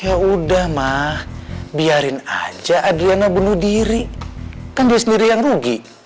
ya udah mah biarin aja adriana bunuh diri kan dia sendiri yang rugi